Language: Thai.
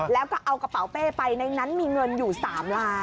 แล้วก็เอากระเป๋าเป้ไปในนั้นมีเงินอยู่๓ล้าน